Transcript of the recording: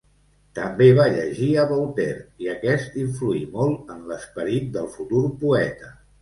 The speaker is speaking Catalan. També va llegir a Voltaire, i aquest influí molt en l'esperit del futur poeta.